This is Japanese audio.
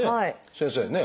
先生ね。